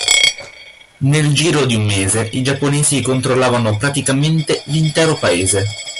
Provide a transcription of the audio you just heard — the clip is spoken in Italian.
Nel giro di un mese i giapponesi controllavano praticamente l'intero paese.